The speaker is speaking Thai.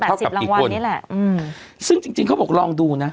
เท่ากับอีกคนนี่แหละอืมซึ่งจริงจริงเขาบอกลองดูนะ